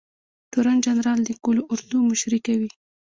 تورن جنرال د قول اردو مشري کوي